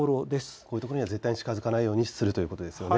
こういったところには絶対近づかないようにするということですね。